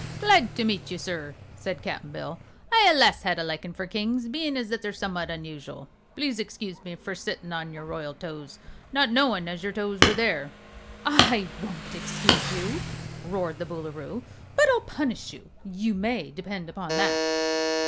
"Glad to meet you, sir," said Cap'n Bill. "I allus had a likin' for kings, bein' as they're summat unusual. Please 'scuse me for a sittin' on your royal toes, not knowin' as your toes were there." "I won't excuse you!" roared the Boolooroo. "But I'll punish you. You may depend upon that."